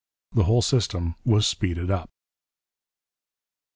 The whole system was 'speeded up.'